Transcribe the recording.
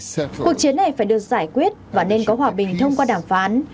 cuộc chiến này phải được giải quyết và nên có hòa bình thông qua đàm phán